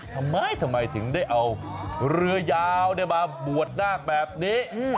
ทำไมถึงได้เอาเรือยาวมาบวชหน้าแบบนี้